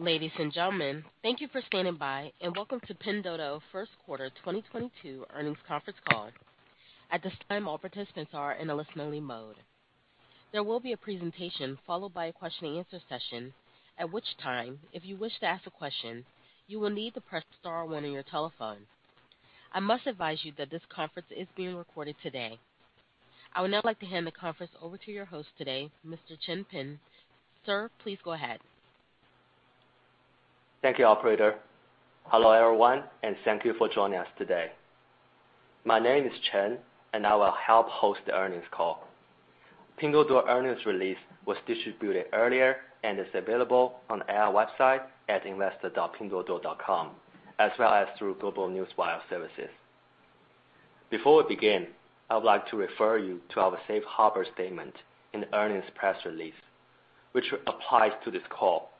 Ladies and gentlemen, thank you for standing by and welcome to Pinduoduo Q1 2022 Earnings Conference Call. At this time, all participants are in a listen-only mode. There will be a presentation followed by a question and answer session, at which time, if you wish to ask a question, you will need to press star one on your telephone. I must advise you that this conference is being recorded today. I would now like to hand the conference over to your host today, Mr. Chen Pin. Sir, please go ahead. Thank you, operator. Hello, everyone, and thank you for joining us today. My name is Chen, and I will help host the earnings call. Pinduoduo earnings release was distributed earlier and is available on our website at investor.pinduoduo.com, as well as through GlobeNewswire services. Before we begin, I would like to refer you to our safe harbor statement in the earnings press release, which applies to this call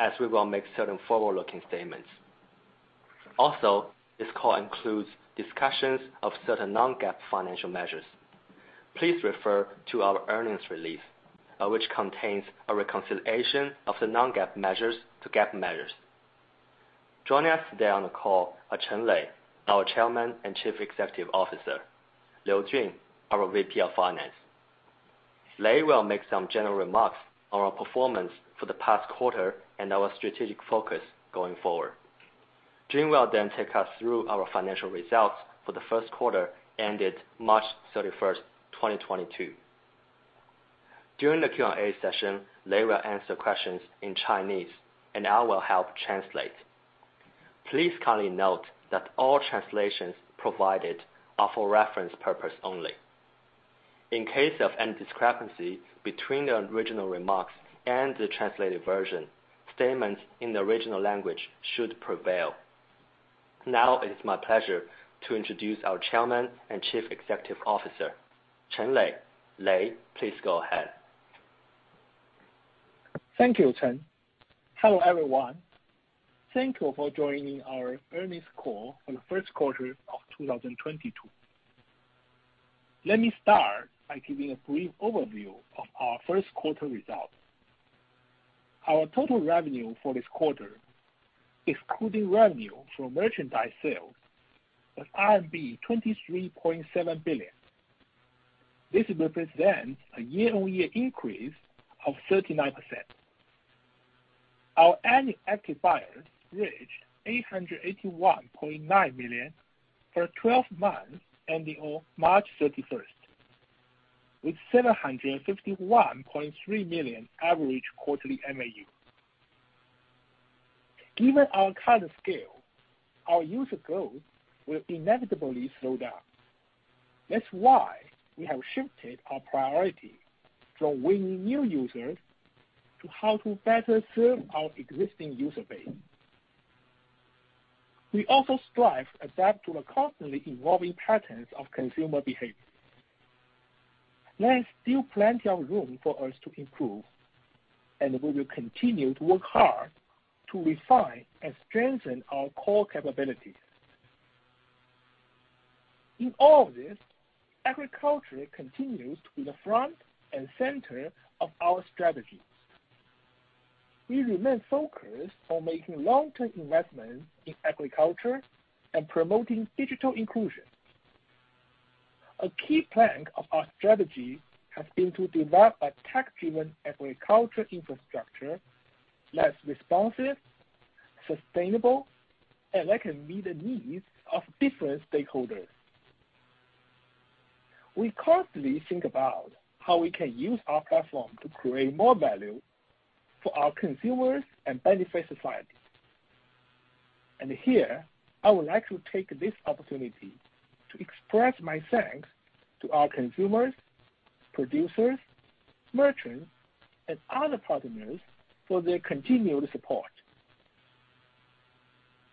as we will make certain forward-looking statements. Also, this call includes discussions of certain non-GAAP financial measures. Please refer to our earnings release, which contains a reconciliation of the non-GAAP measures to GAAP measures. Joining us today on the call are Chen Lei, our Chairman and Chief Executive Officer, Liu Jun, our VP of Finance. Lei will make some general remarks on our performance for the past quarter and our strategic focus going forward. Jun will then take us through our financial results for the Q1 ended March 31, 2022. During the Q&A session, Lei will answer questions in Chinese, and I will help translate. Please kindly note that all translations provided are for reference purpose only. In case of any discrepancy between the original remarks and the translated version, statements in the original language should prevail. Now it is my pleasure to introduce our Chairman and Chief Executive Officer, Chen Lei. Lei, please go ahead. Thank you, Chen. Hello, everyone. Thank you for joining our earnings call for the first quarter of 2022. Let me start by giving a brief overview of our first quarter results. Our total revenue for this quarter, excluding revenue from merchandise sales, was RMB 23.7 billion. This represents a year-on-year increase of 39%. Our annual active buyers reached 881.9 million for 12 months ending on March 31, with 751.3 million average quarterly MAU. Given our current scale, our user growth will inevitably slow down. That's why we have shifted our priority from winning new users to how to better serve our existing user base. We also strive to adapt to the constantly evolving patterns of consumer behavior. There is still plenty of room for us to improve, and we will continue to work hard to refine and strengthen our core capabilities. In all of this, agriculture continues to be the front and center of our strategy. We remain focused on making long-term investments in agriculture and promoting digital inclusion. A key plank of our strategy has been to develop a tech-driven agriculture infrastructure that's responsive, sustainable, and that can meet the needs of different stakeholders. We constantly think about how we can use our platform to create more value for our consumers and benefit society. Here, I would like to take this opportunity to express my thanks to our consumers, producers, merchants, and other partners for their continued support.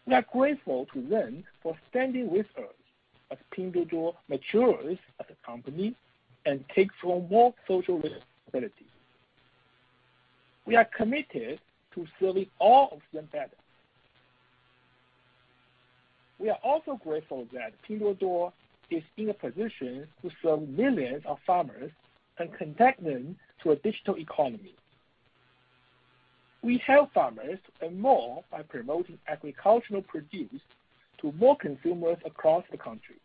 We are grateful to them for standing with us as Pinduoduo matures as a company and takes on more social responsibilities. We are committed to serving all of them better. We are also grateful that Pinduoduo is in a position to serve millions of farmers and connect them to a digital economy. We help farmers earn more by promoting agricultural produce to more consumers across the country.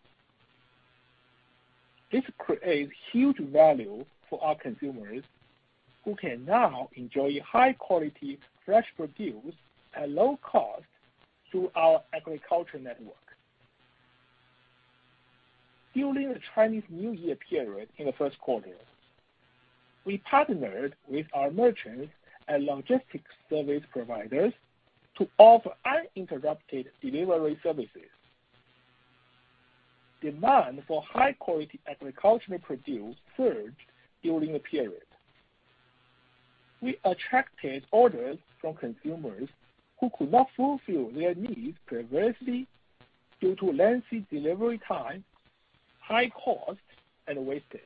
This creates huge value for our consumers, who can now enjoy high quality fresh produce at low cost through our agriculture network. During the Chinese New Year period in the Q1, we partnered with our merchants and logistics service providers to offer uninterrupted delivery services. Demand for high-quality agricultural produce surged during the period. We attracted orders from consumers who could not fulfill their needs previously due to lengthy delivery time, high cost, and wastage.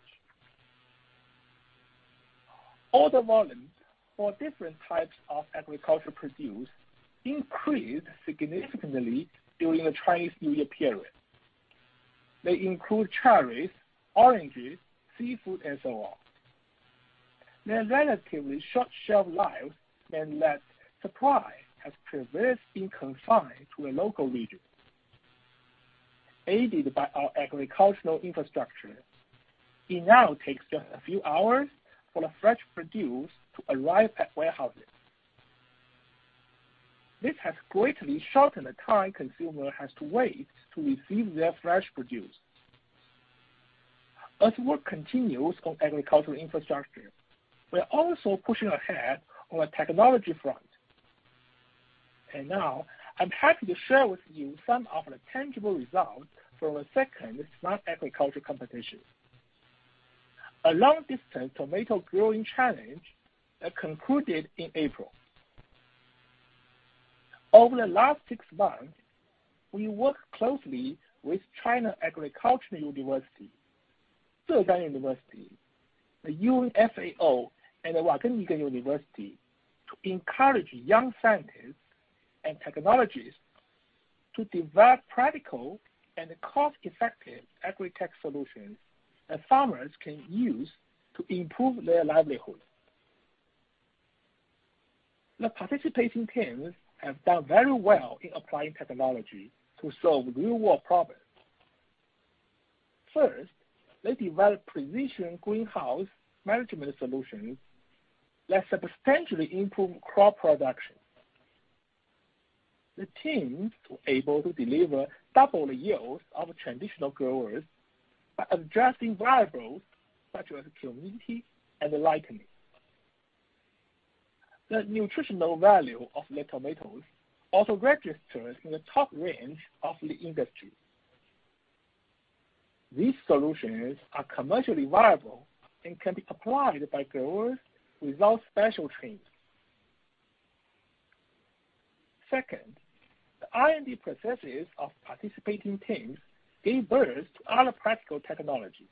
Order volumes for different types of agricultural produce increased significantly during the Chinese New Year period. They include cherries, oranges, seafood, and so on. Their relatively short shelf lives mean that supply has previously been confined to a local region. Aided by our agricultural infrastructure, it now takes just a few hours for the fresh produce to arrive at warehouses. This has greatly shortened the time consumer has to wait to receive their fresh produce. As work continues on agricultural infrastructure, we're also pushing ahead on the technology front. Now I'm happy to share with you some of the tangible results from the second smart agriculture competition. A long-distance tomato growing challenge that concluded in April. Over the last six months, we worked closely with China Agricultural University, Zhejiang University, the UN FAO, and Wageningen University & Research to encourage young scientists and technologists to develop practical and cost-effective agri-tech solutions that farmers can use to improve their livelihood. The participating teams have done very well in applying technology to solve real-world problems. First, they developed precision greenhouse management solutions that substantially improve crop production. The teams were able to deliver double the yields of traditional growers by adjusting variables such as humidity and the lighting. The nutritional value of the tomatoes also registers in the top range of the industry. These solutions are commercially viable and can be applied by growers without special training. Second, the R&D processes of participating teams gave birth to other practical technologies.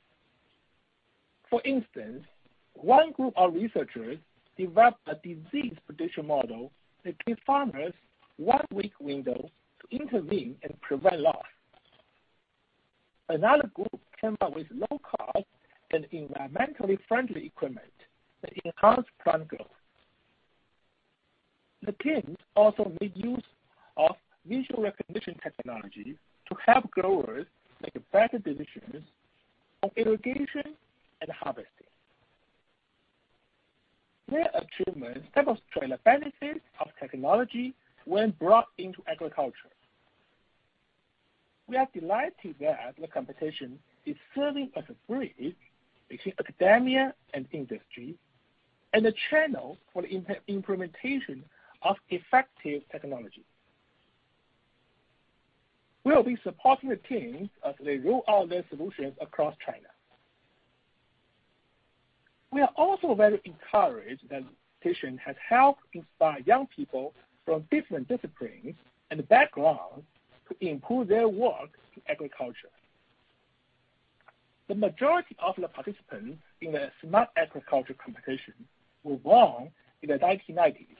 For instance, one group of researchers developed a disease prediction model that gave farmers one-week window to intervene and prevent loss. Another group came up with low-cost and environmentally friendly equipment that enhanced plant growth. The teams also made use of visual recognition technology to help growers make better decisions on irrigation and harvesting. Their achievements demonstrate the benefits of technology when brought into agriculture. We are delighted that the competition is serving as a bridge between academia and industry, and a channel for the implementation of effective technology. We will be supporting the teams as they roll out their solutions across China. We are also very encouraged that the competition has helped inspire young people from different disciplines and backgrounds to improve their work in agriculture. The majority of the participants in the smart agriculture competition were born in the 1990s.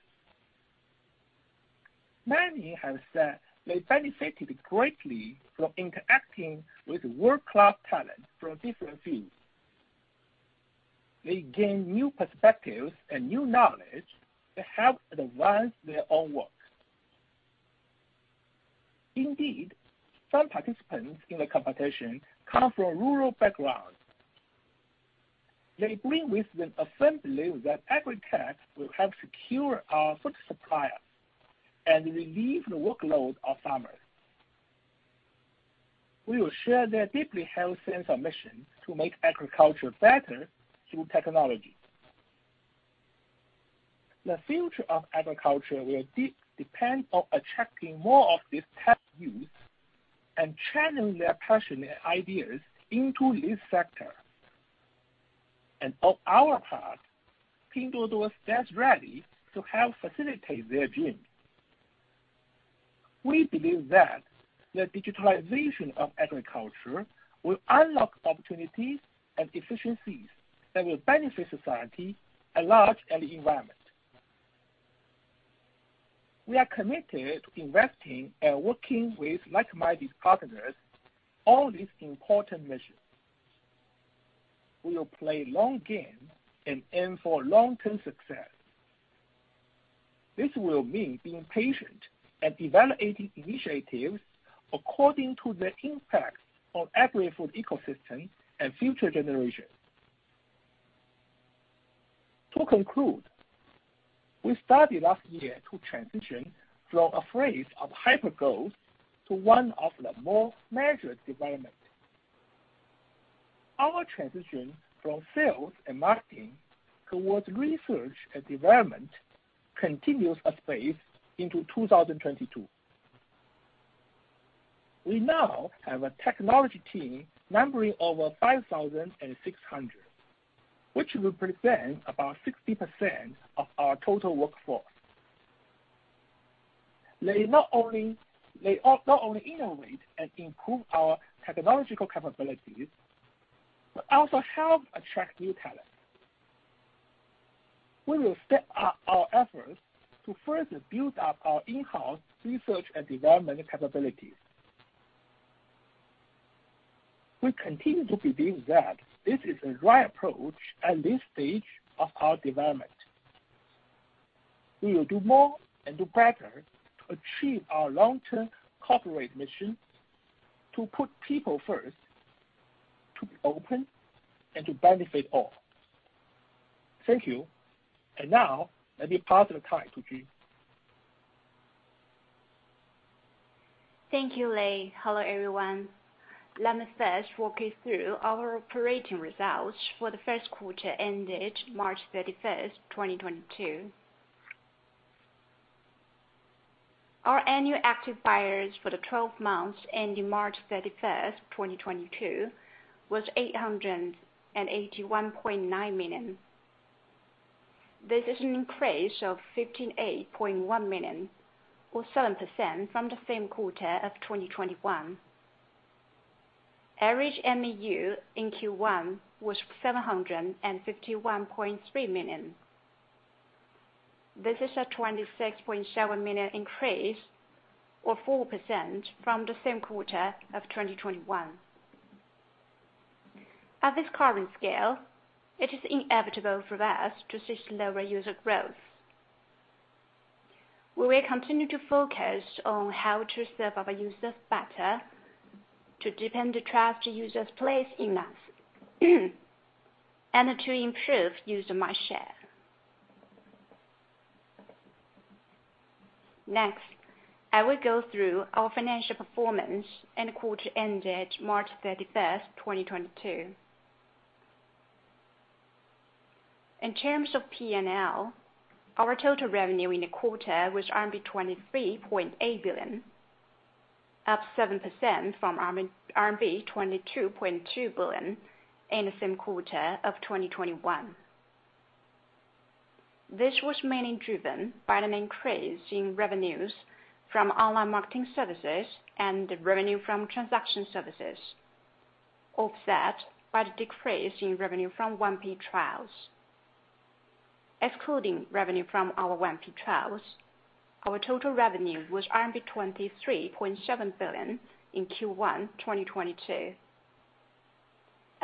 Many have said they benefited greatly from interacting with world-class talent from different fields. They gain new perspectives and new knowledge to help advance their own work. Indeed, some participants in the competition come from rural backgrounds. They bring with them a firm belief that agri-tech will help secure our food supply and relieve the workload of farmers. We will share their deeply held sense of mission to make agriculture better through technology. The future of agriculture will depend on attracting more of these tech youth and channeling their passion and ideas into this sector. On our part, Pinduoduo stands ready to help facilitate their dream. We believe that the digitalization of agriculture will unlock opportunities and efficiencies that will benefit society at large and the environment. We are committed to investing and working with like-minded partners on this important mission. We will play long game and aim for long-term success. This will mean being patient and evaluating initiatives according to the impact on agri-food ecosystem and future generations. To conclude, we started last year to transition from a phase of hyper-growth to one of the more measured development. Our transition from sales and marketing towards research and development continues apace into 2022. We now have a technology team numbering over 5,600, which represents about 60% of our total workforce. They not only innovate and improve our technological capabilities, but also help attract new talent. We will step up our efforts to first build up our in-house research and development capabilities. We continue to believe that this is the right approach at this stage of our development. We will do more and do better to achieve our long-term corporate mission to put people first, to be open, and to benefit all. Thank you. Now let me pass the time to Jun. Thank you, Lei. Hello, everyone. Let me first walk you through our operating results for the Q1 ended March 31, 2022. Our annual active buyers for the 12 months ending March 31, 2022 was 881.9 million. This is an increase of 58.1 million or 7% from the same quarter of 2021. Average MAU in Q1 was 751.3 million. This is a 26.7 million increase or 4% from the same quarter of 2021. At this current scale, it is inevitable for us to see slower user growth. We will continue to focus on how to serve our users better, to deepen the trust users place in us and to improve user mindshare. Next, I will go through our financial performance in the quarter ended March 31, 2022. In terms of P&L, our total revenue in the quarter was RMB 23.8 billion, up 7% from RMB 22.2 billion in the same quarter of 2021. This was mainly driven by an increase in revenues from online marketing services and the revenue from transaction services, offset by the decrease in revenue from 1P trials. Excluding revenue from our 1P trials, our total revenue was RMB 23.7 billion in Q1 2022,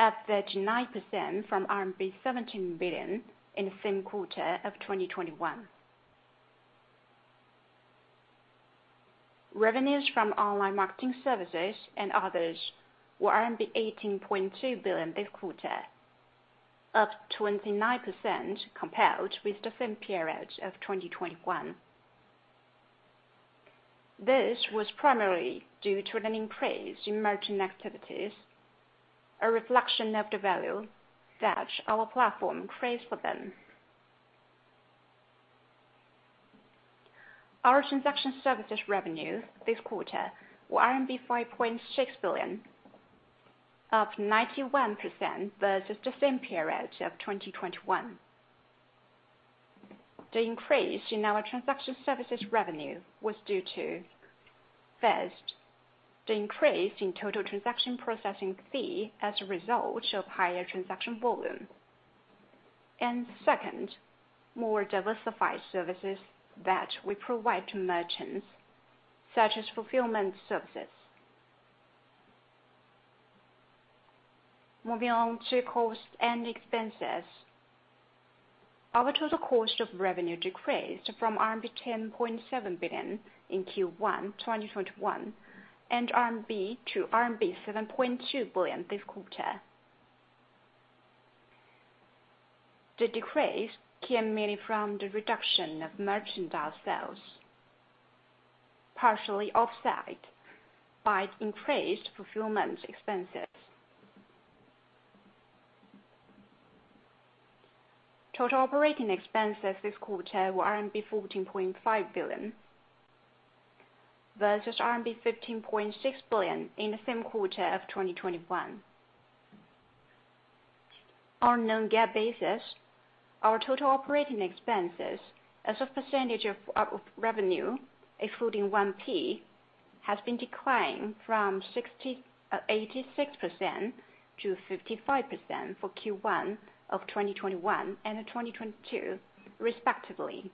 up 39% from RMB 17 billion in the same quarter of 2021. Revenues from online marketing services and others were 18.2 billion this quarter, up 29% compared with the same period of 2021. This was primarily due to an increase in merchant activities, a reflection of the value that our platform creates for them. Our transaction services revenue this quarter were RMB 5.6 billion, up 91% versus the same period of 2021. The increase in our transaction services revenue was due to, first, the increase in total transaction processing fee as a result of higher transaction volume. Second, more diversified services that we provide to merchants, such as fulfillment services. Moving on to costs and expenses. Our total cost of revenue decreased from RMB 10.7 billion in Q1 2021-CNY 7.2 billion this quarter. The decrease came mainly from the reduction of merchandise sales, partially offset by increased fulfillment expenses. Total operating expenses this quarter were RMB 14.5 billion versus RMB 15.6 billion in the same quarter of 2021. On a non-GAAP basis, our total operating expenses as a percentage of revenue, including 1P, has been declined from 86%-55% for Q1 of 2021 and 2022 respectively.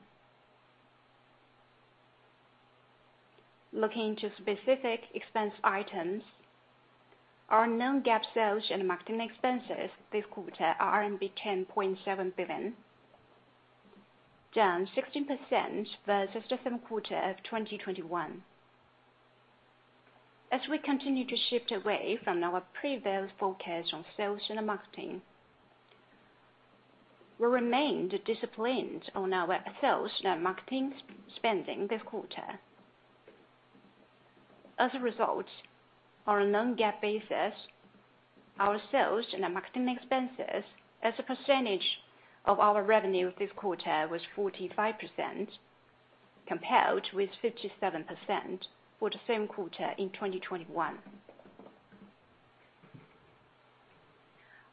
Looking at specific expense items. Our non-GAAP sales and marketing expenses this quarter are RMB 10.7 billion, down 16% versus the same quarter of 2021. As we continue to shift away from our previous focus on sales and marketing, we remained disciplined on our sales and our marketing spending this quarter. As a result, on a non-GAAP basis, our sales and our marketing expenses as a percentage of our revenue this quarter was 45% compared with 57% for the same quarter in 2021.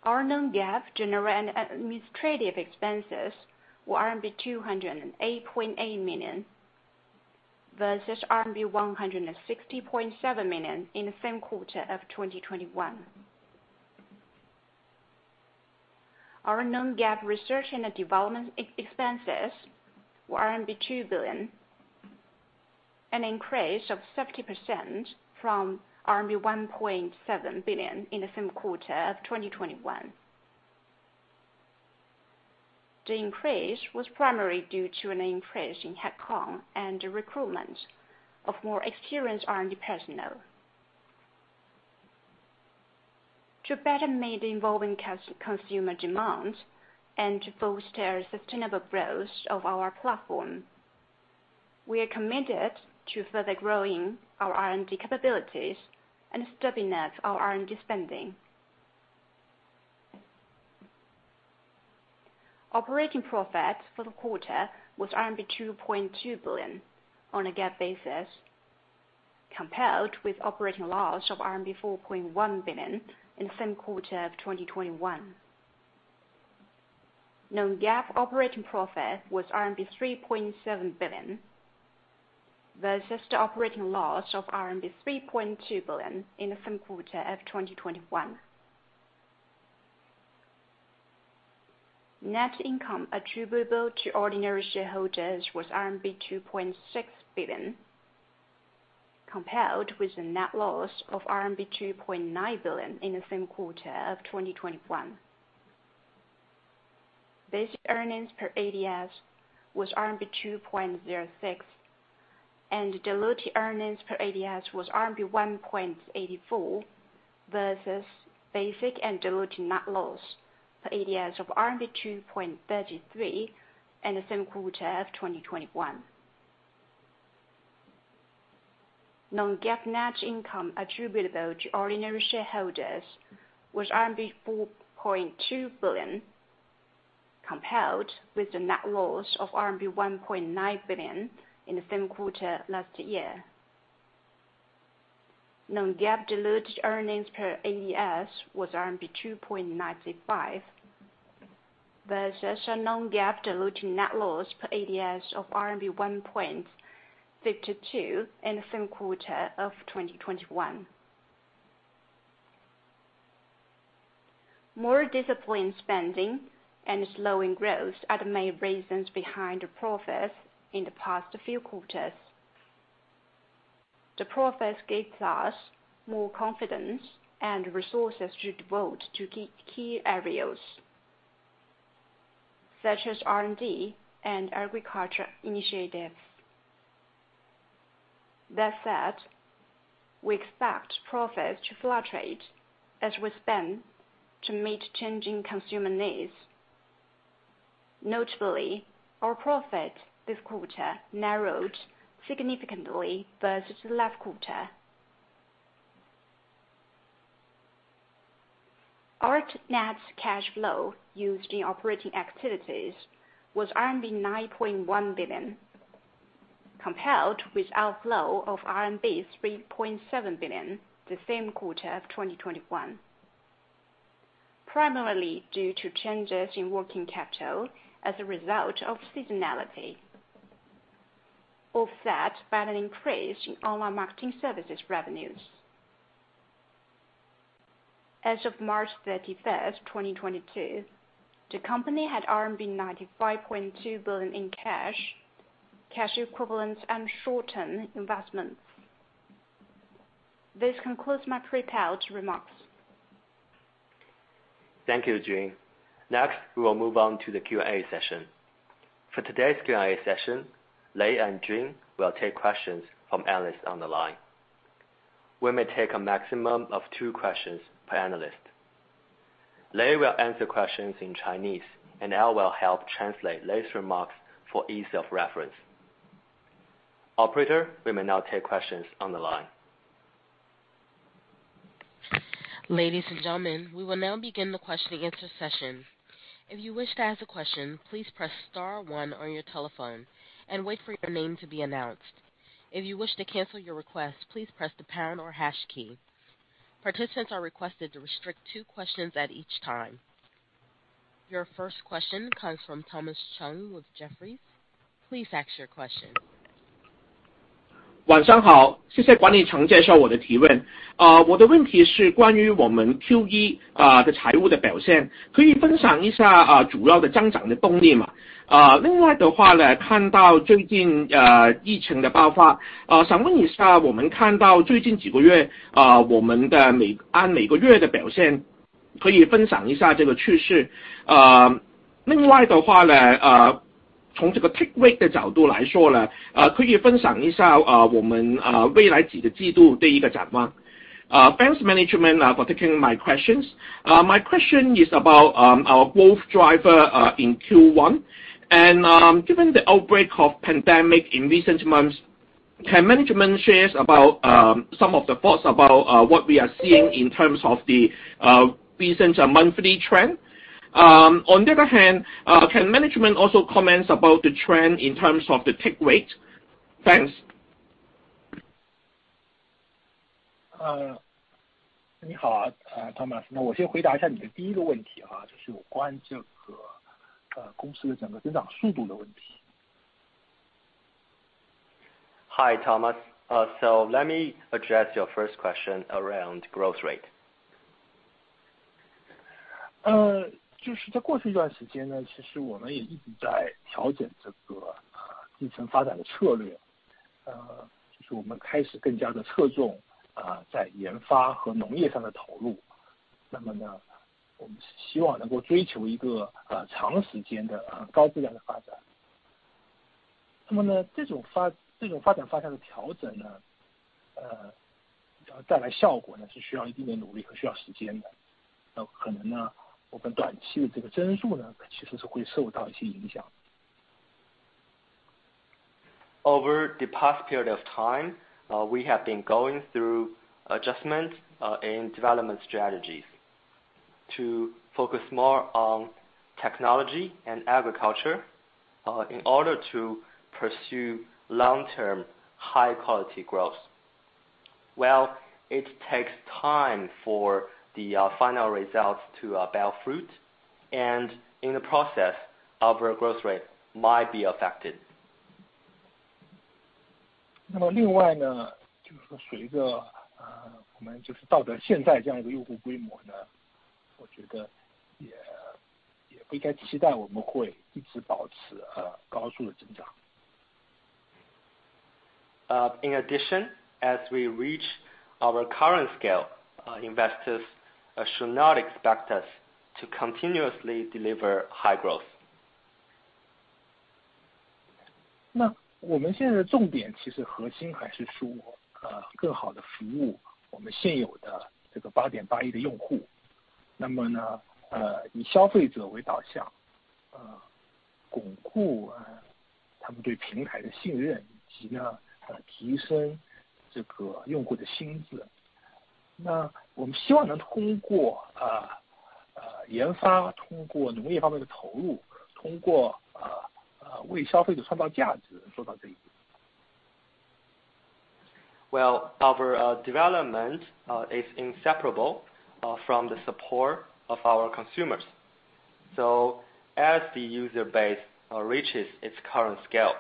Our non-GAAP general and administrative expenses were RMB 208.8 million, versus RMB 160.7 million in the same quarter of 2021. Our non-GAAP research and development expenses were 2 billion, an increase of 70% from RMB 1.7 billion in the same quarter of 2021. The increase was primarily due to an increase in headcount and recruitment of more experienced R&D personnel. To better meet evolving consumer demands and to foster sustainable growth of our platform, we are committed to further growing our R&D capabilities and stabilize our R&D spending. Operating profit for the quarter was 2.2 billion on a GAAP basis, compared with operating loss of 4.1 billion in the same quarter of 2021. Non-GAAP operating profit was RMB 3.7 billion, versus the operating loss of RMB 3.2 billion in the same quarter of 2021. Net income attributable to ordinary shareholders was RMB 2.6 billion, compared with a net loss of RMB 2.9 billion in the same quarter of 2021. Basic earnings per ADS was RMB 2.06, and diluted earnings per ADS was RMB 1.84 versus basic and diluted net loss per ADS of RMB 2.33 in the same quarter of 2021. Non-GAAP net income attributable to ordinary shareholders was 4.2 billion, compared with the net loss of 1.9 billion in the same quarter last year. Non-GAAP diluted earnings per ADS was 2.95 versus a non-GAAP diluted net loss per ADS of RMB 1.52 in the same quarter of 2021. More disciplined spending and slowing growth are the main reasons behind the profits in the past few quarters. The profits gives us more confidence and resources to devote to key areas, such as R&D and agriculture initiatives. That said, we expect profits to fluctuate as we spend to meet changing consumer needs. Notably, our profit this quarter narrowed significantly versus last quarter. Our net cash flow used in operating activities was RMB 9.1 billion, compared with outflow of RMB 3.7 billion the same quarter of 2021. Primarily due to changes in working capital as a result of seasonality, offset by an increase in online marketing services revenues. As of March 31, 2022, the company had RMB 95.2 billion in cash equivalents, and short-term investments. This concludes my prepared remarks. Thank you, Jun. Next, we will move on to the Q&A session. For today's Q&A session, Lei and Jun will take questions from analysts on the line. We may take a maximum of two questions per analyst. Lei will answer questions in Chinese, and I'll help translate Lei's remarks for ease of reference. Operator, we may now take questions on the line. Ladies and gentlemen, we will now begin the question and answer session. If you wish to ask a question, please press star one on your telephone and wait for your name to be announced. If you wish to cancel your request, please press the pound or hash key. Participants are requested to restrict two questions at each time. Your first question comes from Thomas Chong with Jefferies. Please ask your question. Thanks, management, for taking my questions. My question is about our growth driver in Q1. Given the outbreak of pandemic in recent months, can management share with us some of the thoughts about what we are seeing in terms of the recent monthly trend? On the other hand, can management also comment about the trend in terms of the take rate? Thanks. Thomas，我先回答一下你的第一个问题，就是有关公司的整个增长速度的问题。Hi Thomas. Let me address your first question around growth rate. Over the past period of time, we have been going through adjustments, in development strategies to focus more on technology and agriculture, in order to pursue long term high quality growth. Well, it takes time for the final results to bear fruit. In the process, our growth rate might be affected. 另外，随着我们到了现在这样一个用户规模，我觉得也不应该期待我们会一直保持高速的增长。In addition, as we reach our current scale, investors should not expect us to continuously deliver high growth. 那我们现在的重点其实核心还是说，更好地服务我们现有的这个八点八亿的用户。那么，以消费者为导向，巩固他们对平台的信任，以及来提升这个用户的心智。那我们希望能通过研发，通过农业方面的投入，通过为消费者创造价值，受到这一。Well, our development is inseparable from the support of our consumers. As the user base reaches its current scale,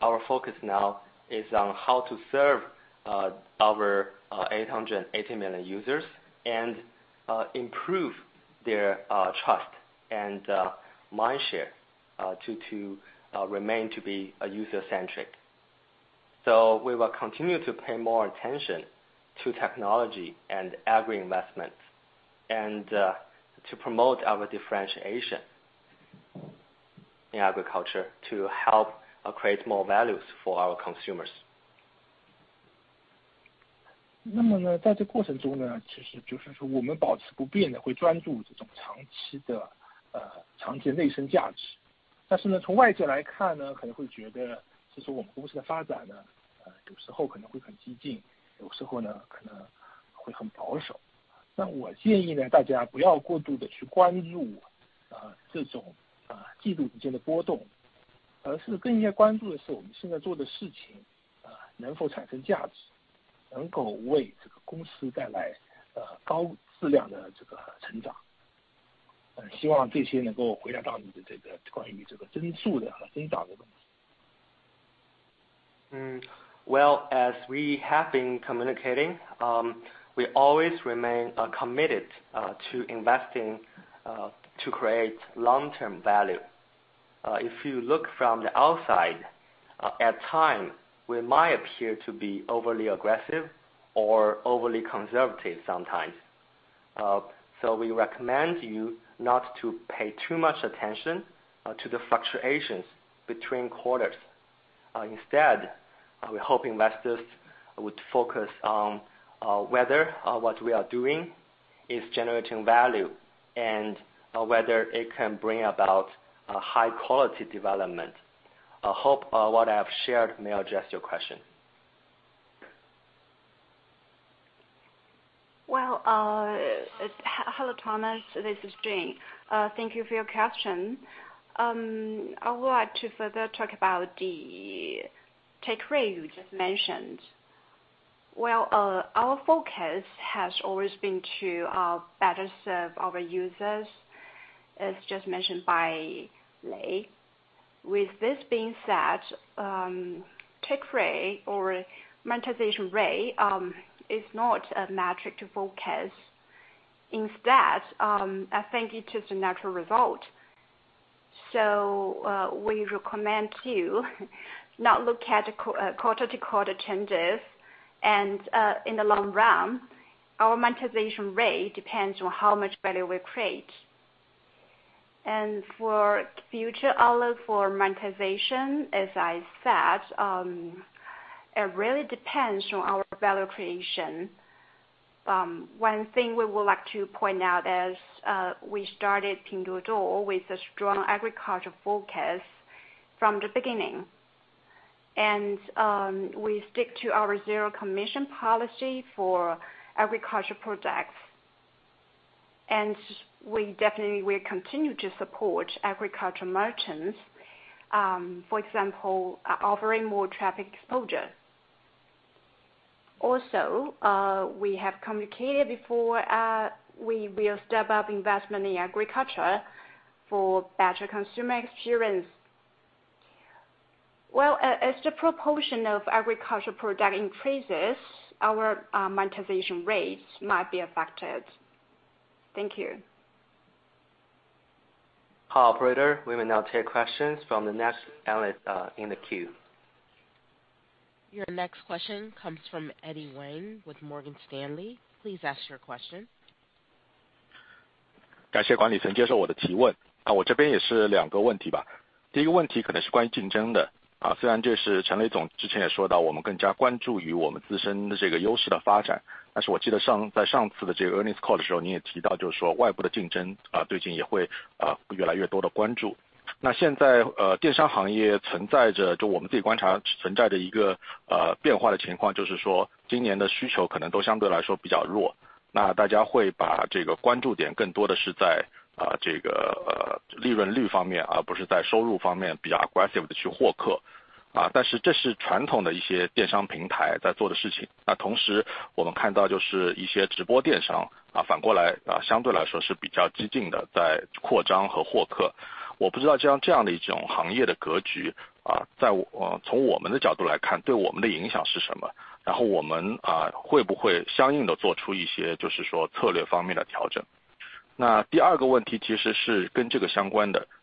our focus now is on how to serve our 880 million users and improve their trust and mindshare to remain to be user centric. We will continue to pay more attention to technology and agri investment and to promote our differentiation in agriculture to help create more values for our consumers. Well, as we have been communicating, we always remain committed to investing to create long term value. If you look from the outside, at times, we might appear to be overly aggressive or overly conservative sometimes. We recommend you not to pay too much attention to the fluctuations between quarters. Instead, we hope investors would focus on whether what we are doing is generating value and whether it can bring about a high quality development. Hope what I have shared may address your question. Well, hello Thomas, this is Jun, thank you for your question. I would like to further talk about the take rate you just mentioned. Well, our focus has always been to better serve our users, as just mentioned by Lei. With this being said, take rate or monetization rate is not a metric to focus. Instead, I think it is the natural result. We recommend to not look at quarter to quarter changes. In the long run, our monetization rate depends on how much value we create. For future outlook for monetization, as I said, it really depends on our value creation. One thing we would like to point out is, we started Pinduoduo with a strong agriculture focus from the beginning. We stick to our zero commission policy for agriculture products. We definitely will continue to support agriculture merchants, for example, offering more traffic exposure. Also, we have communicated before, we will step up investment in agriculture for better consumer experience. Well, as the proportion of agriculture product increases, our monetization rates might be affected. Thank you. Operator, we will now take questions from the next analyst in the queue. Your next question comes from Eddy Wang with Morgan Stanley. Please ask your question. 感谢管理层接受我的提问。我这边也是两个问题吧。第一个问题可能是关于竞争的，虽然这是陈磊总之前也说到，我们更加关注于我们自身的这个优势的发展，但是我记得在上次的这个earnings call的时候，你也提到就是说外部的竞争，最近也会越来越多的关注。那现在，电商行业存在着，就我们自己观察存在着一个变化的情况，就是说今年的需求可能都相对来说比较弱，那大家会把这个关注点更多的是在这个利润率方面，而不是在收入方面比较aggressive地去获客。但是这是传统的一些电商平台在做的事情。那同时我们看到就是一些直播电商，反过来，相对来说是比较激进地在扩张和获客。我不知道就像这样的一种行业的格局，在，从我们的角度来看，对我们的影响是什么，然后我们会不会相应地做出一些就是说策略方面的调整。那第二个问题其实是跟这个相关的。陈磊总也提到了，就是说我们其实是，我们的优势，我们的不同的地方可能更多是在农业方面。那我们看到就是说这个之前的百亿农研，然后这个季度整个的这个研发费用的绝对金额有上涨。其实想问一下，就是说咱们现在这个阶段如果看到，今天可能，五月底为止，就百亿农研当中的支出，已经到了一个什么样的程度大概。另外就是说如果再往下一步看的话，就是说在下半年或者在未来一两年，这些农研方面有哪些可能是新的重点我们可以去投入的。那我可能自己先翻译一下。Thank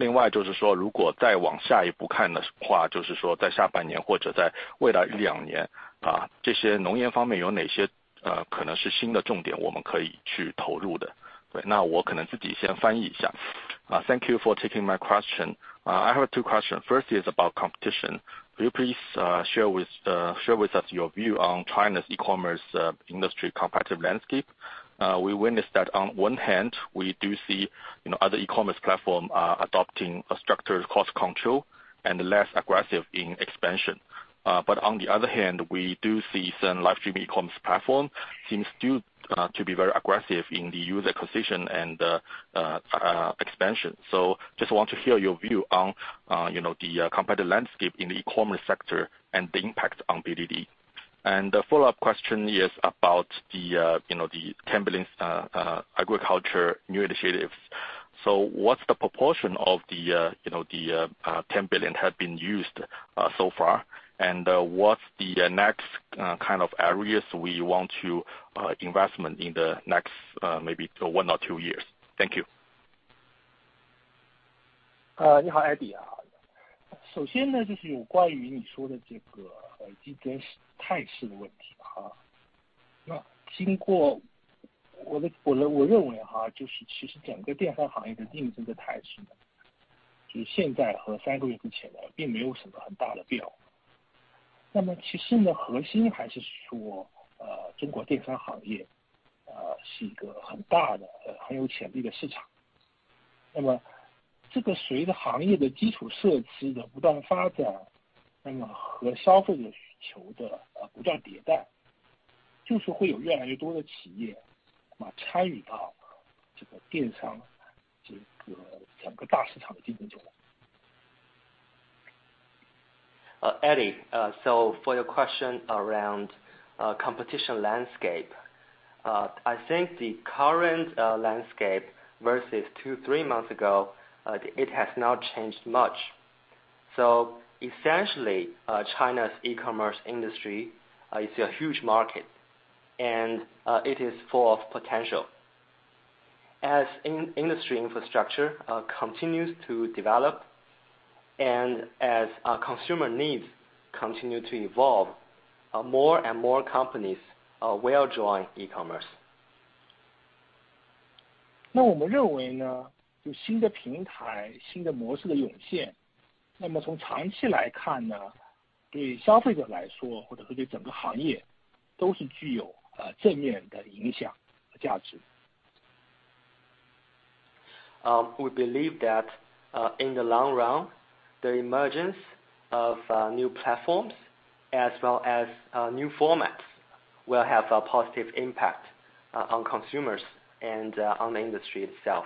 you for taking my question. I have two questions. First is about competition. Will you please share with us your view on China's e-commerce industry competitive landscape? We witness that on one hand we do see, you know, other e-commerce platforms are adopting a structured cost control and less aggressive in expansion. But on the other hand, we do see some live streaming e-commerce platforms seem still to be very aggressive in the user acquisition and expansion. Just want to hear your view on, you know, the competitive landscape in the e-commerce sector and the impact on PDD. The follow-up question is about the, you know, the CNY 10 billion agriculture new initiatives. What's the proportion of the, you know, the 10 billion have been used so far? What's the next kind of areas we want to invest in the next, maybe one year or two years? Thank you. 你好，Eddie。首先呢，就是有关于你说的这个竞争态势的问题。那经过我的，我认为，就是其实整个电商行业的竞争的态势呢，就现在和三个月之前呢，并没有什么很大的变化。那么其实呢，核心还是说，中国电商行业是一个很大的很有潜力的市场，那么这个随着行业的基础设施的不断发展，那么和消费者需求的不断迭代，就是会有越来越多的企业参与到这个电商这个整个大市场的竞争中来。Uh, Eddie, so for your question around competition landscape, I think the current landscape versus two, three months ago, it has not changed much. So essentially, China's e-commerce industry is a huge market, and it is full of potential. As in-industry infrastructure continues to develop, and as our consumer needs continue to evolve, more and more companies will join e-commerce. 那我们认为呢，有新的平台、新的模式的涌现，那么从长期来看呢，对消费者来说，或者说对整个行业都是具有正面的影响和价值。We believe that in the long run, the emergence of new platforms as well as new formats will have a positive impact on consumers and on the industry itself.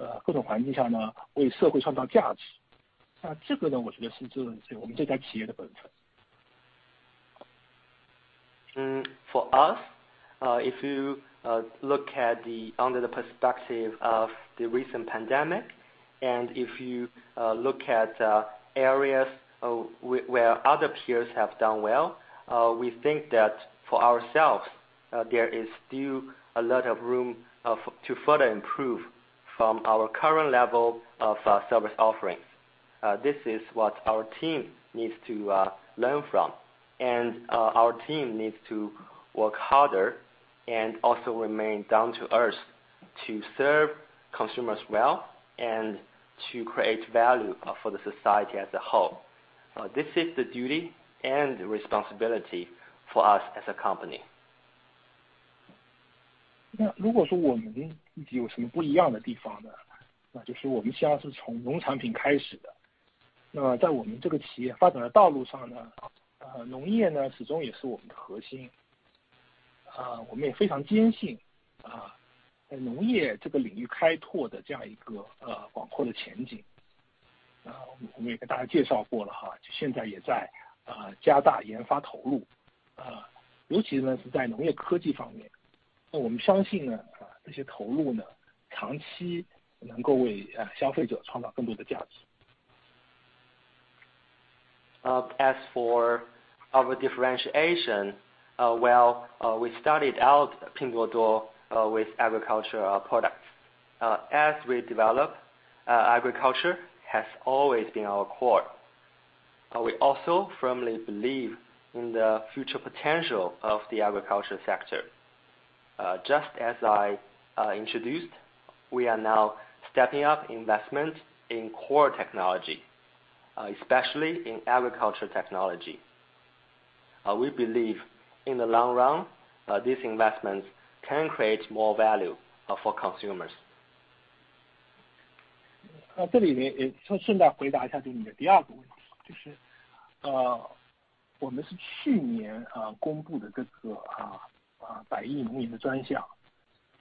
For us, if you look at under the perspective of the recent pandemic, and if you look at the areas where other peers have done well, we think that for ourselves, there is still a lot of room to further improve from our current level of service offerings. This is what our team needs to learn from. Our team needs to work harder and also remain down to earth to serve consumers well and to create value for the society as a whole. This is the duty and responsibility for us as a company. As for our differentiation, well, we started out Pinduoduo with agriculture products. As we develop, agriculture has always been our core. We also firmly believe in the future potential of the agriculture sector. Just as I introduced, we are now stepping up investment in core technology, especially in agriculture technology. We believe in the long run these investments can create more value for consumers.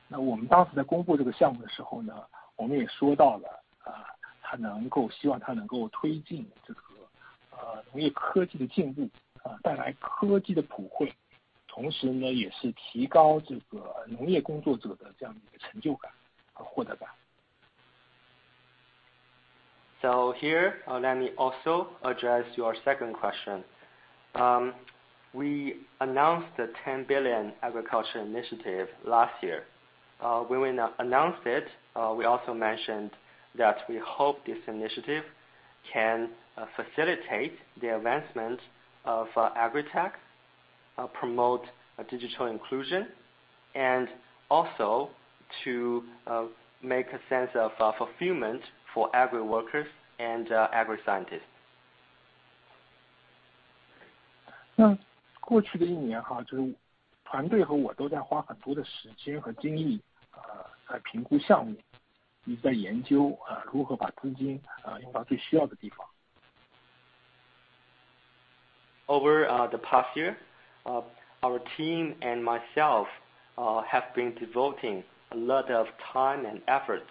这里面也顺带回答一下你的第二个问题，就是我们是去年公布的这个百亿农研的专项。那我们当时在公布这个项目的时候呢，我们也说到了，它能够，希望它能够推进这个农业科技的进步，带来科技的普惠，同时呢，也是提高这个农业工作者的这样的一个成就感和获得感。Here let me also address your second question. We announce the 10 billion agriculture initiative last year. When we announce it, we also mentioned that we hope this initiative can facilitate the advancement of agri-tech, promote digital inclusion and also to make a sense of fulfillment for agri workers and agri scientists. 过去的一年，团队和我都在花很多的时间和精力，来评估项目，也在研究如何把资金用到最需要的地方。Over the past year, our team and myself have been devoting a lot of time and efforts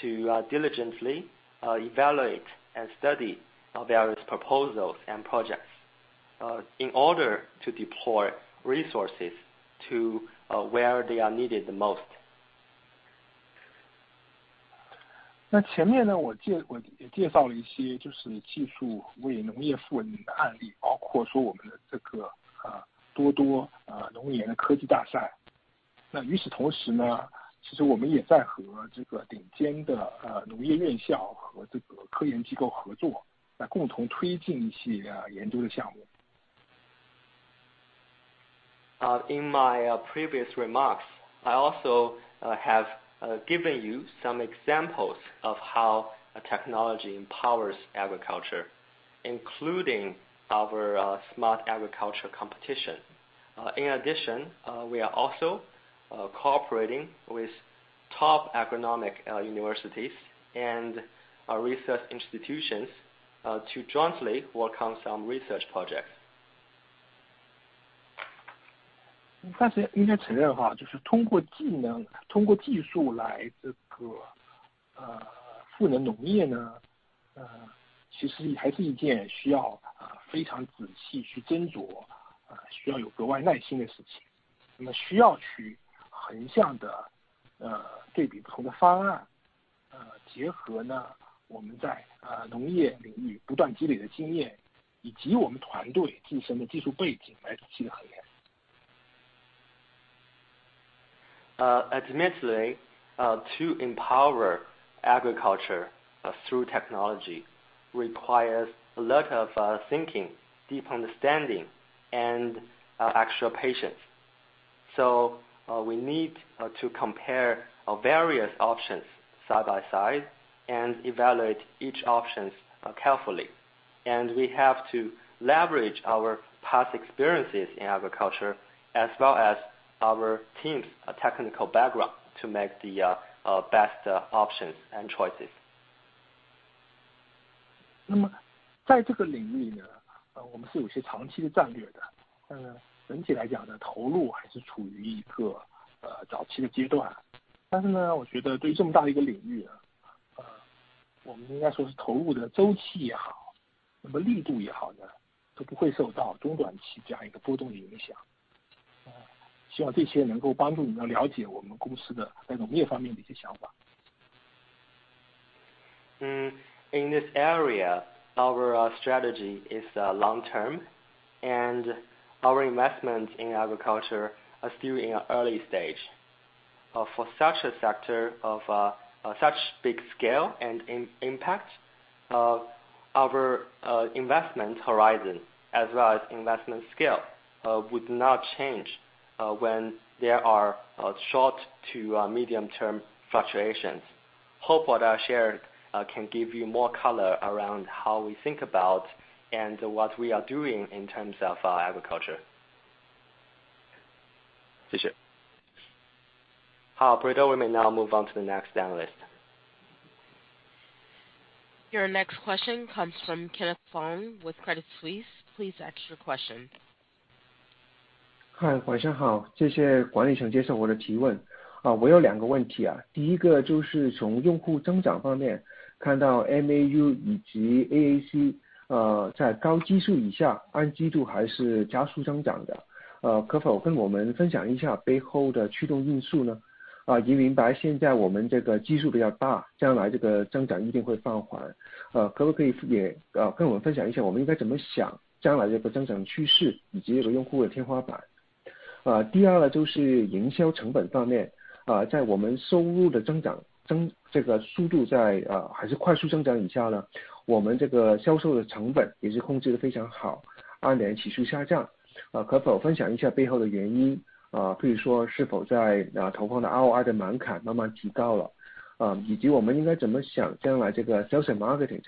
to diligently evaluate and study various proposals and projects in order to deploy resources to where they are needed the most. 前面呢，我也介绍了一些就是技术为农业赋能的案例，包括说我们的这个多多农业的科技大赛。那与此同时呢，其实我们也在和这个顶尖的农业院校和这个科研机构合作，来共同推进一些研究的项目。In my previous remarks, I also have given you some examples of how technology empowers agriculture, including our smart agriculture competition. In addition, we are also cooperating with top agronomic universities and research institutions to jointly work on some research projects. Admittedly, to empower agriculture through technology requires a lot of thinking, deep understanding and actual patience. We need to compare various options side by side and evaluate each options carefully. We have to leverage our past experiences in agriculture as well as our team's technical background to make the best options and choices. 那么在这个领域呢，我们是有些长期的战略的，但是整体来讲呢，投入还是处于一个早期的阶段。但是呢，我觉得对于这么大的一个领域啊，我们应该说是投入的周期也好，那么力度也好呢，都不会受到中短期这样一个波动的影响。希望这些能够帮助你们了解我们公司的在农业方面的一些想法。Our strategy is long-term and our investment in agriculture are still in an early stage for such a sector of such big scale and impact. Our investment horizon as well as investment scale would not change when there are short- to medium-term fluctuations. Hope what I shared can give you more color around how we think about and what we are doing in terms of our agriculture. 谢谢。Okay. We now move on to the next analyst. Your next question comes from Kenneth with Credit Suisse. Please ask your question. 嗨，晚上好。谢谢管理层接受我的提问。好，我有两个问题啊，第一个就是从用户增长方面看到 MAU 以及 AAC，在高基数以下，按季度还是加速增长的。可否跟我们分享一下背后的驱动因素呢？也明白，现在我们这个基数比较大，将来这个增长一定会放缓。可不可以也跟我们分享一下我们应该怎么想将来这个增长趋势，以及这个用户的天花板。第二呢，就是营销成本方面，在我们收入的增长速度在还是快速增长以下呢，我们这个销售的成本也是控制得非常好，按年起数下降。可否分享一下背后的原因，比如说是否在投放的 ROI 的门槛慢慢提高了，以及我们应该怎么想将来这个 sales marketing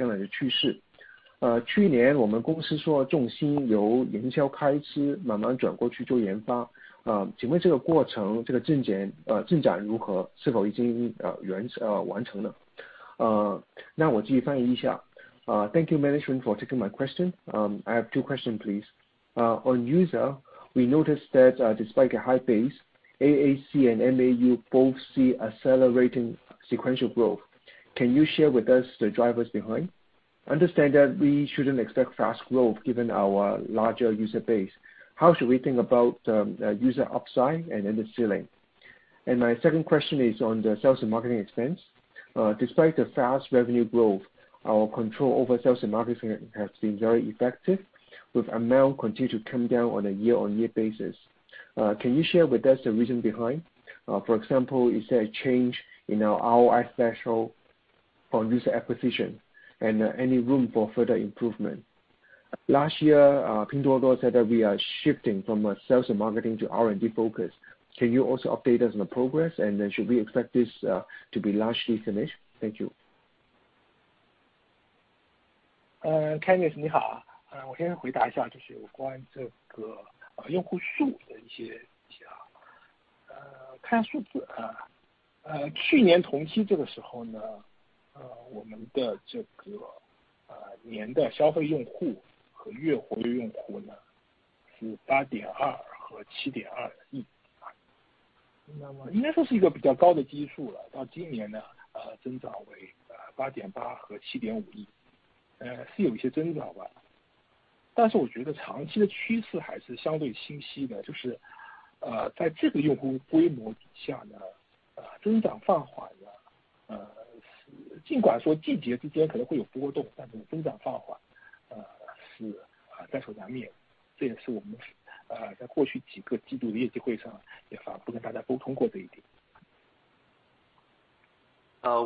将来的趋势。去年我们公司说重心由营销开支慢慢转过去做研发，请问这个过程进展如何？是否已经完成了？那我自己翻译一下。Thank you management for taking my question. I have two questions please. On user, we notice that despite a high base, AAC and MAU both see accelerating sequential growth. Can you share with us the drivers behind? Understand that we shouldn't expect fast growth given our larger user base. How should we think about user upside and the ceiling? My second question is on the sales and marketing expense. Despite the fast revenue growth, our control over sales and marketing has been very effective with the amount continuing to come down on a year-on-year basis. Can you share with us the reason behind? For example, is there a change in our ROI threshold for user acquisition and any room for further improvement? Last year, Pinduoduo said that we are shifting from a sales and marketing to R&D focus. Can you also update us on the progress? Should we expect this to be largely finished? Thank you. Kenneth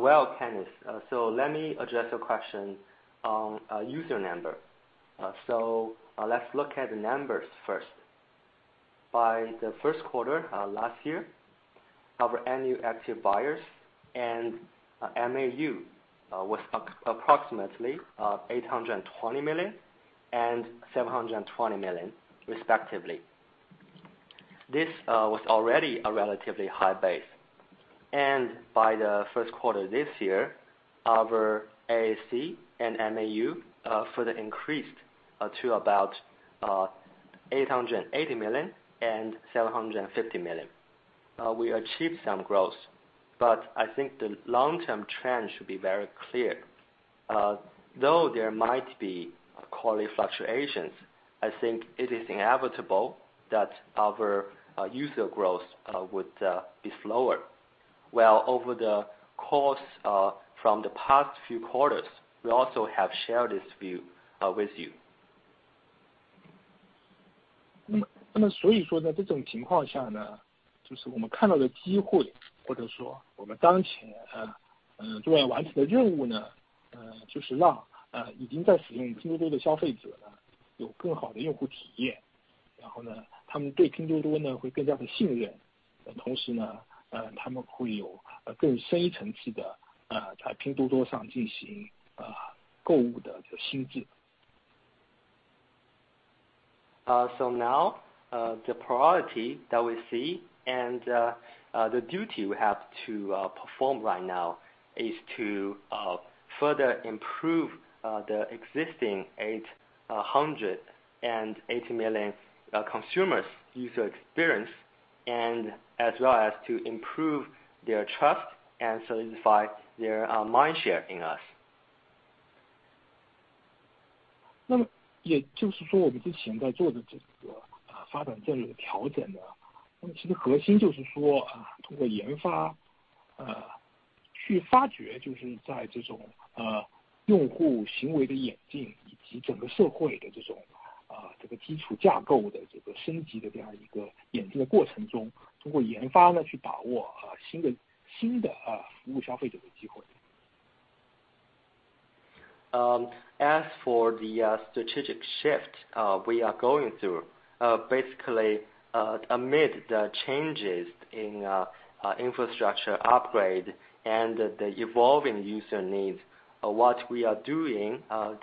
Well, Kenneth, let me address your question on user number. Let's look at the numbers first. By the Q1 last year our annual active buyers and MAU was approximately 820 million and 720 million respectively. This was already a relatively high base. By the Q1 this year, our AAC and MAU further increased to about 880 million and 750 million. We achieved some growth, but I think the long term trend should be very clear. Though there might be quality fluctuations, I think it is inevitable that our user growth would be slower. Well over the course of the past few quarters, we also have shared this view with you. 在这种情况下，我们看到的机会，或者说我们当前正在完成的任务，就是让已经在使用拼多多的消费者有更好的用户体验，然后他们对拼多多会更加的信任，同时他们会有更深一层次的在拼多多上进行购物的这个心智。Now the priority that we see and the duty we have to perform right now is to further improve the existing 880 million consumers user experience as well as to improve their trust and solidify their mind share in us. 那么也就是说，我们之前在做的这个发展战略的调整呢，其实核心就是说，通过研发，去发掘就是在这种用户行为的演进，以及整个社会的这种基础架构的这个升级的这样一个演进的过程中，通过研发呢去把握新的、新的服务消费者的机会。As for the strategic shift we are going through. Basically, amid the changes in infrastructure upgrade and the evolving user needs, what we are doing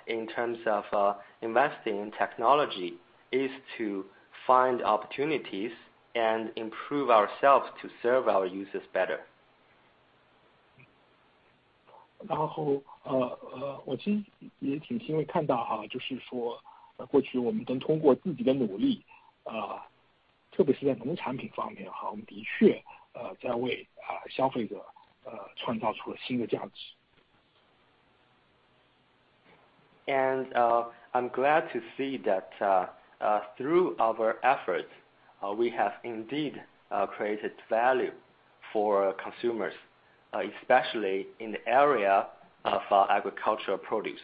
in terms of investing in technology, is to find opportunities and improve ourselves to serve our users better. 然后，我其实也挺欣慰看到，就是说过去我们通过自己的努力，特别是在农产品方面，我们的确在为消费者创造出了新的价值。I'm glad to see that, through our efforts, we have indeed created value for consumers, especially in the area of our agricultural produce.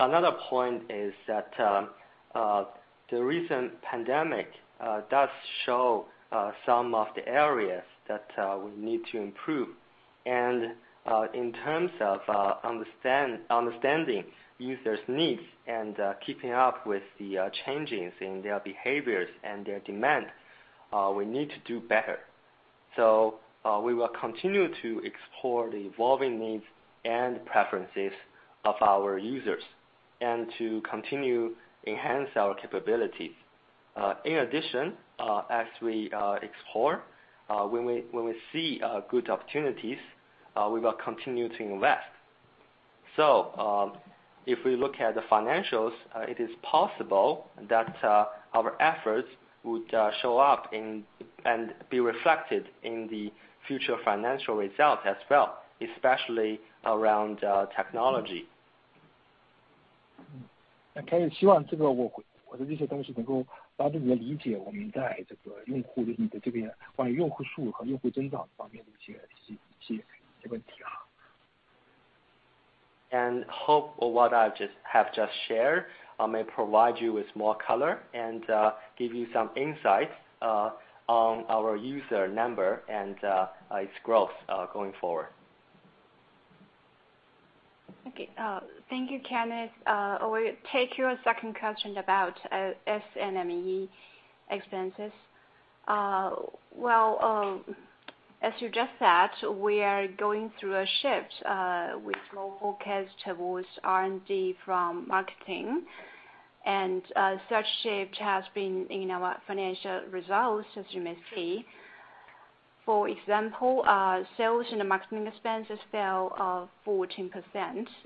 Another point is that the recent pandemic does show some of the areas that we need to improve. In terms of understanding users' needs and keeping up with the changes in their behaviors and their demand, we need to do better. We will continue to explore the evolving needs and preferences of our users, and to continue enhance our capabilities. In addition, as we explore, when we see good opportunities, we will continue to invest. If we look at the financials, it is possible that our efforts would show up and be reflected in the future financial results as well, especially around technology. 那Kenneth，希望这个我的一些东西能够帮助你们理解我们在用户这边关于用户数和用户增长方面的一些问题哈。Hope what I just shared may provide you with more color and give you some insights on our user number and its growth going forward. Okay. Thank you, Kenneth. We take your second question about S&ME expenses. Well, as you just said, we are going through a shift with more focus towards R&D from marketing, and such shift has been in our financial results, as you may see. For example, sales and marketing expenses fell 14%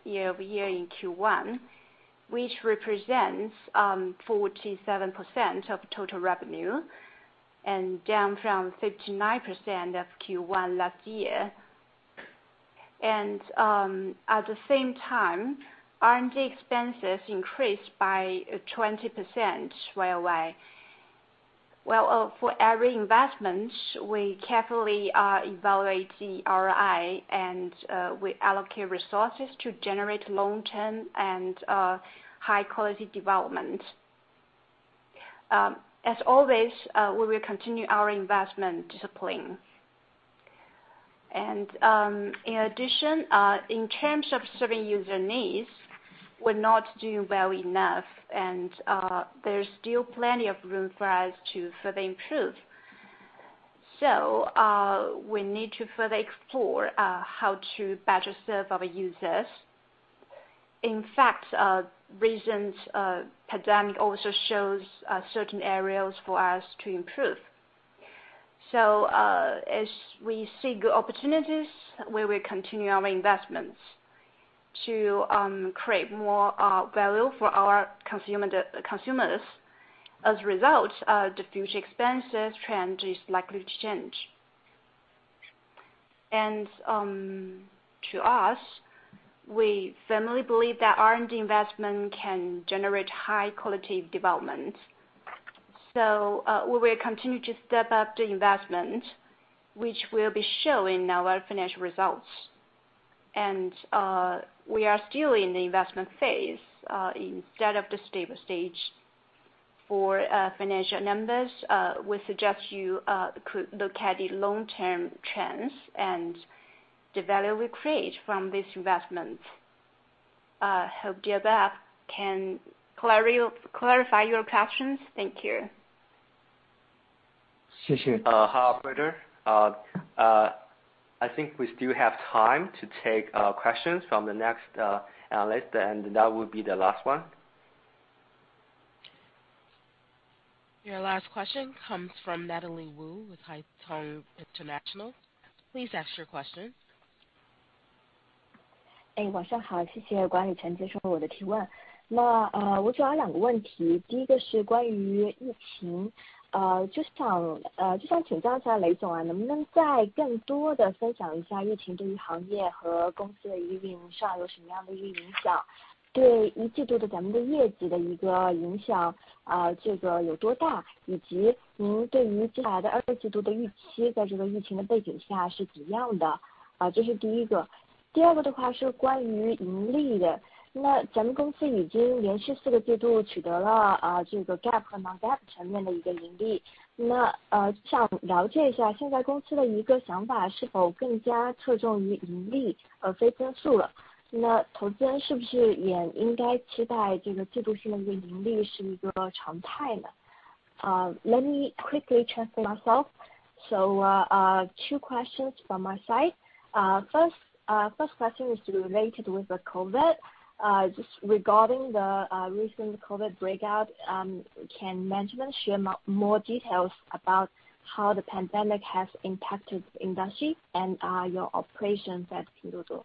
YoY in Q1, which represents 47% of total revenue and down from 59% of Q1 last year. At the same time, R&D expenses increased by 20% Y-o-Y. Well, for every investment, we carefully evaluate the ROI and we allocate resources to generate long-term and high quality development. As always, we will continue our investment discipline. In addition, in terms of serving user needs, we're not doing well enough, and there's still plenty of room for us to further improve. We need to further explore how to better serve our users. In fact, recent pandemic also shows certain areas for us to improve. As we see good opportunities, we will continue our investments to create more value for our consumers. As a result, the future expenses trend is likely to change. To us, we firmly believe that R&D investment can generate high quality development. We will continue to step up the investment, which will be shown in our financial results. We are still in the investment phase instead of the stable stage. For financial numbers, we suggest you could look at the long-term trends and the value we create from this investment. Hope the above can clarify your questions. Thank you. Hi, operator. I think we still have time to take questions from the next analyst, and that will be the last one. Your last question comes from Natalie Wu with Haitong International. Please ask your question. Let me quickly translate myself. Two questions from my side. First question is related with the COVID. Just regarding the recent COVID outbreak, can management share more details about how the pandemic has impacted the industry and your operations at Pinduoduo?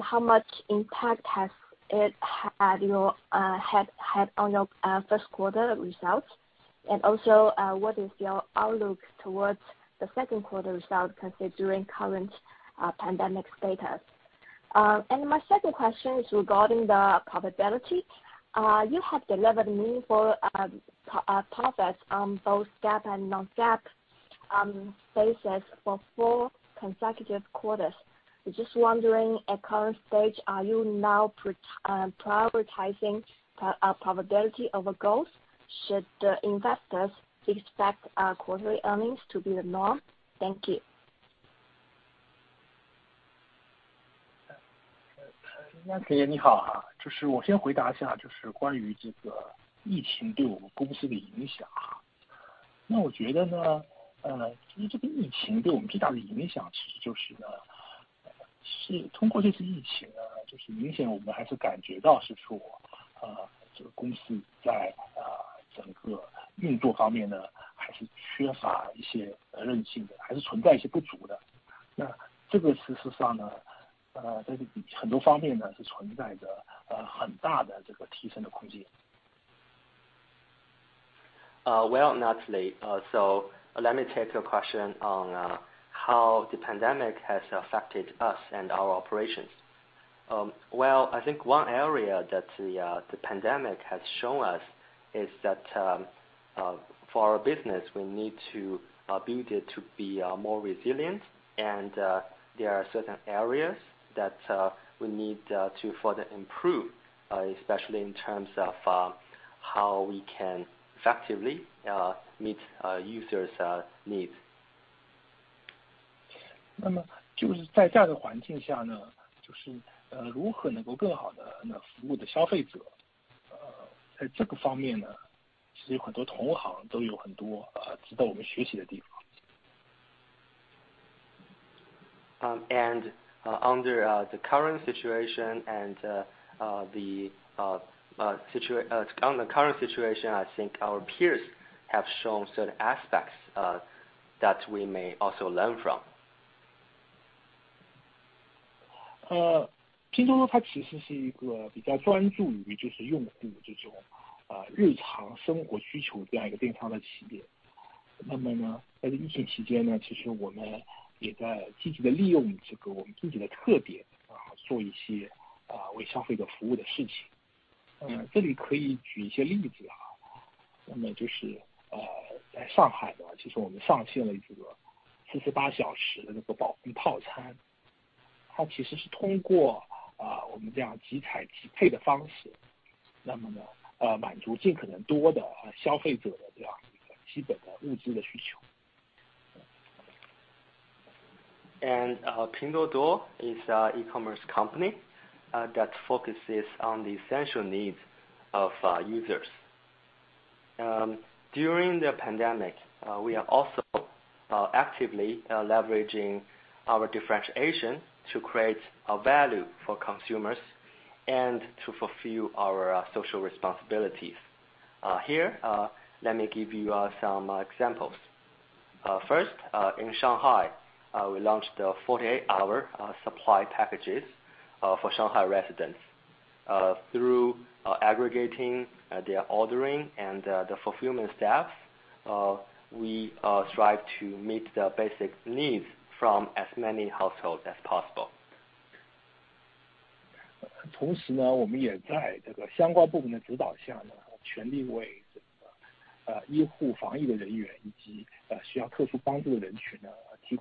How much impact has it had on your Q1 results? What is your outlook towards the Q2 results considering current pandemic status? My second question is regarding the profitability. You have delivered meaningful profits on both GAAP and non-GAAP basis for four consecutive quarters. Just wondering, at current stage, are you now prioritizing profitability over growth? Should the investors expect quarterly earnings to be the norm? Thank you. 你好。就是我先回答一下，就是关于这个疫情对我们公司的影响。那我觉得呢，其实这个疫情对我们最大的影响其实就是呢，是通过这次疫情啊，就是明显我们还是感觉到是说，这个公司在啊整个运作方面呢，还是缺乏一些韧性的，还是存在一些不足的。那这个其实上呢，在很多方面呢，是存在的，很大的这个提升的空间。Natalie, so let me take your question on how the pandemic has affected us and our operations. Well, I think one area that the pandemic has shown us is that, for our business, we need to be able to be more resilient. There are certain areas that we need to further improve, especially in terms of how we can effectively meet users' needs. 那么就是在这样的环境呢，就是如何能够更好地来服务消费者，在这个方面呢，其实有很多同行都有很多值得我们学习的地方。On the current situation, I think our peers have shown certain aspects that we may also learn from. Pinduoduo Pinduoduo is an e-commerce company that focuses on the essential needs of users. During the pandemic, we are also actively leveraging our differentiation to create a value for consumers and to fulfill our social responsibilities. Here, let me give you some examples. First, in Shanghai, we launched a 48-hour supply packages for Shanghai residents. Through aggregating their ordering and the fulfillment staff, we strive to meet the basic needs from as many households as possible. 同时呢，我们也在这个相关部门的指导下呢，全力为这个医护防疫的人员以及需要特殊帮助的人群呢，提供物资的保障。那么这些呢，其实都是我们在疫情期间呢，利用我们自身的特点做的一些事情。In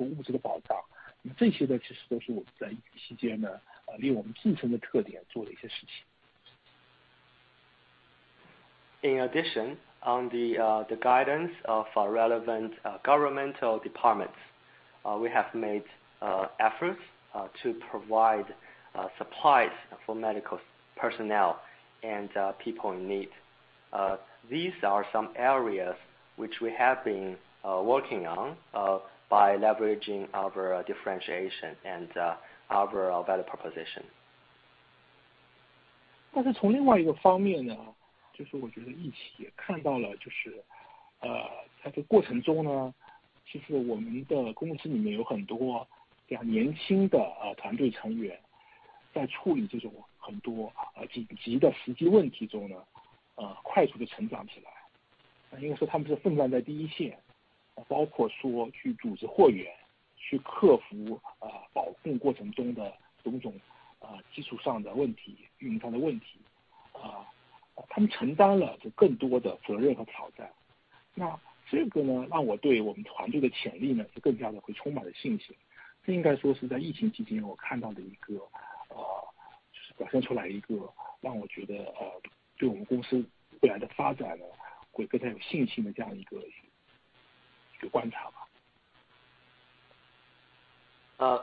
addition, on the guidance of relevant governmental departments, we have made efforts to provide supplies for medical personnel and people in need. These are some areas which we have been working on by leveraging our differentiation and our value proposition.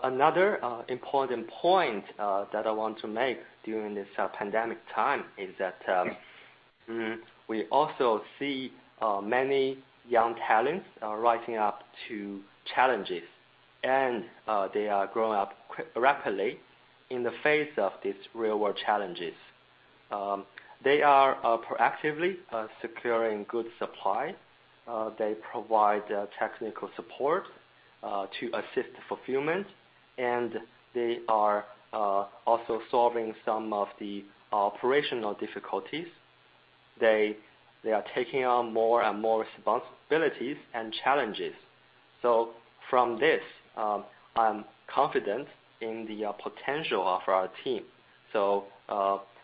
Another important point that I want to make during this pandemic time is that we also see many young talents rising up to challenges. They are growing up rapidly in the face of these real world challenges. They are proactively securing good supply. They provide technical support to assist fulfillment. They are also solving some of the operational difficulties. They are taking on more and more responsibilities and challenges. From this, I'm confident in the potential of our team.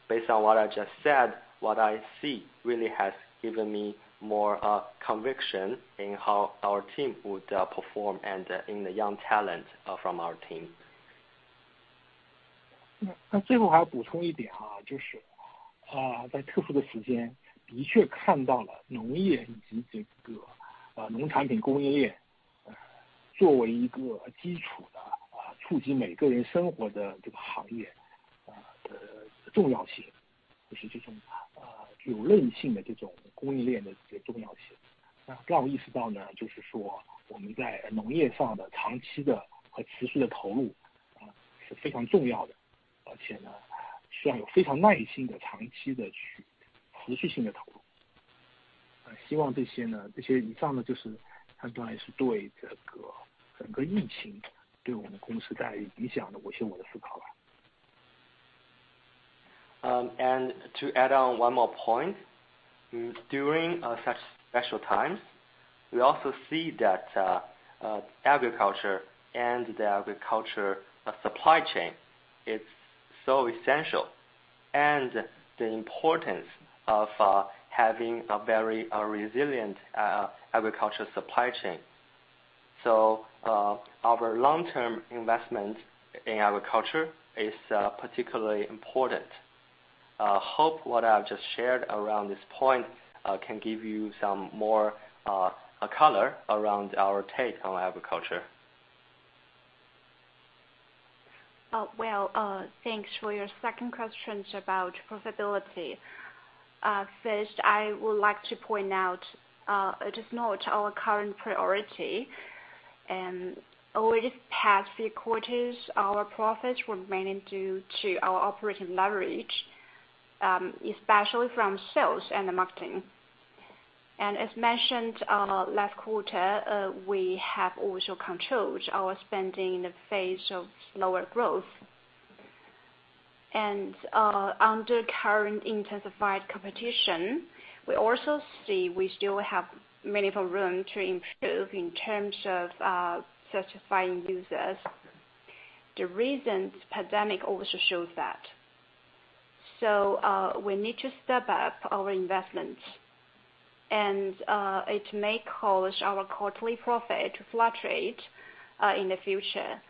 Based on what I just said, what I see really has given me more conviction in how our team would perform and in the young talent from our team. 最后还要补充一点，就是在特殊的时间，的确看到了农业以及农产品供应链，作为一个基础的、促进每个人生活的这个行业的重要性，就是这种具有韧性的供应链的重要性。那让我意识到，就是说我们在农业上的长期的和持续的投入，是非常重要的，而且需要有非常耐心的长期的去持续性的投入。希望以上，大概是对这个整个疫情对我们公司带来的影响的一些我的思考吧。To add on one more point, during such special times, we also see that agriculture and the agriculture supply chain is so essential and the importance of having a very resilient agriculture supply chain. Our long term investment in agriculture is particularly important. Hope what I've just shared around this point can give you some more color around our take on agriculture. Well, thanks for your second question about profitability. First, I would like to point out, it is not our current priority. Over this past few quarters, our profits were mainly due to our operating leverage, especially from sales and marketing. As mentioned, last quarter, we have also controlled our spending in the face of lower growth. Under current intensified competition, we also see we still have meaningful room to improve in terms of, satisfying users. The recent pandemic also shows that. We need to step up our investments, and it may cause our quarterly profit fluctuate in the future.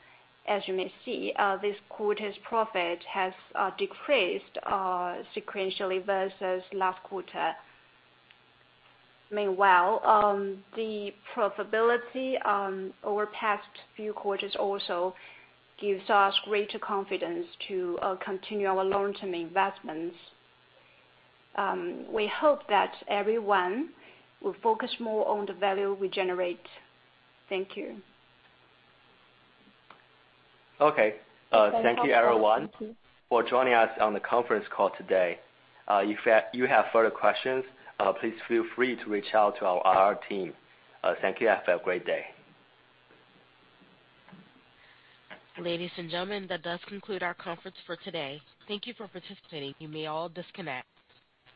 As you may see, this quarter's profit has decreased sequentially versus last quarter. Meanwhile, the profitability over past few quarters also gives us greater confidence to continue our long term investments. We hope that everyone will focus more on the value we generate. Thank you. Okay. Thank you everyone for joining us on the conference call today. If you have further questions, please feel free to reach out to our IR team. Thank you. Have a great day. Ladies and gentlemen, that does conclude our conference for today. Thank you for participating. You may all disconnect.